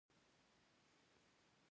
د واده په اړه دې پوښتنه نه ځنې وکړه؟